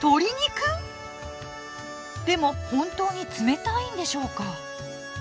でも本当に冷たいんでしょうか？